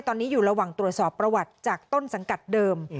ตอนนี้อยู่ระหว่างตรวจสอบประวัติจากต้นสังกัดเดิม